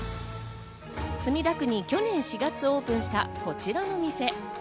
墨田区に去年４月オープンしたこちらの店。